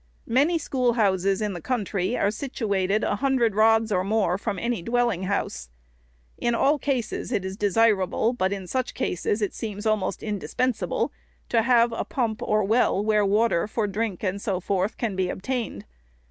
Many schoolhouses in the country are situated a hun dred rods or more from any dwelling house. In all cases it is desirable, but in such cases it seems almost indispen sable, to have a pump or well, where water for drink and so forth can be obtained.